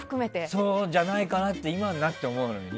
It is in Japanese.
そうじゃないかなと今になって思うんだよね。